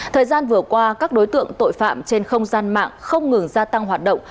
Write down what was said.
thời gian vừa qua các đối tượng tội phạm trên không gian mạng không ngừng gia tăng hoạt động